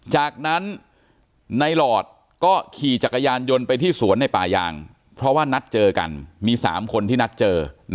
จากนั้นในหลอดก็ขี่จักรยานยนต์ไปที่สวนในป่ายางเพราะว่านัดเจอกันมี๓คนที่นัดเจอ